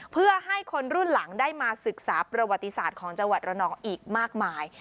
เพื่อให้คนรุ่นหลังได้มาศึกษาประวัติศาสตร์ของจังหวัดระนองอีกมากมาย